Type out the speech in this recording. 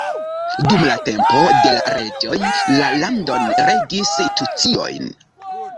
Dum la tempo de la reĝoj, la landon regis tucioj.